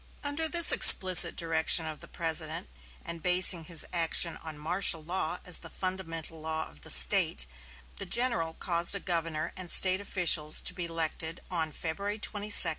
Under this explicit direction of the President, and basing his action on martial law as the fundamental law of the State, the general caused a governor and State officials to be elected on February 22, 1864.